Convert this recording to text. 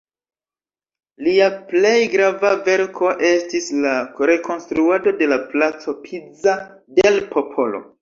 Lia plej grava verko estis la rekonstruado de la placo "Piazza del Popolo".